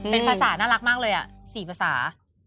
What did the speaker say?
เป็นภาษาน่ารักมากเลย๔ภาษา